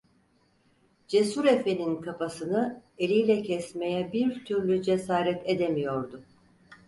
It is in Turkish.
Cesur efenin kafasını eliyle kesmeye bir türlü cesaret edemiyordu.